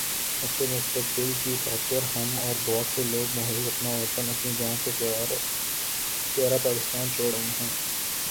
اچھے مستقبل کی خاطر ہم اور بہت سے لوگ محض اپنا وطن اپنی جان سے پیا را پاکستان چھوڑ آئے ہیں